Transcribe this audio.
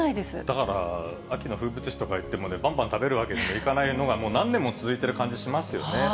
だから秋の風物詩とかいっても、ばんばん食べるわけにもいかないのがもう何年も続いている感じしますよね。